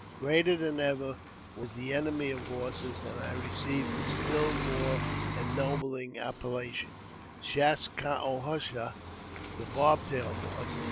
Greater than ever was the Enemy of Horses, and I received a still more ennobling appellation, Shas ka o hush a, the Bobtail Horse.